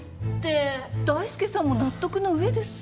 大介さんも納得の上です。